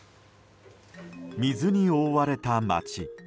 水に覆われた街。